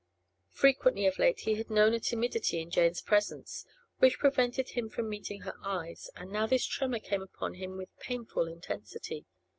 Frequently of late he had known a timidity in Jane's presence, which prevented him from meeting her eyes, and now this tremor came upon him with painful intensity.